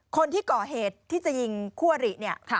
คนที่ก่อเหตุที่จะยิงคู่อริเนี่ย